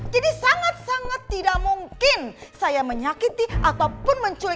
jadi sangat sangat tidak mungkin saya menyakiti atau penuhi